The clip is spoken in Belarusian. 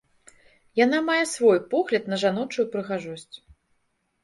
Яна мае свой погляд на жаночую прыгажосць.